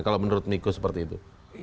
kalau menurut niko seperti itu